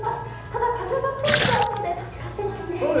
ただ、風がちょっとあるので助かっていますね。